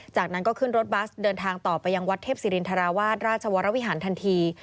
จากนั้นก็ขึ้นรถบัสเดินทางต่อไปยังวัดเทพศิรินทราวาสราชวรวิหารทันที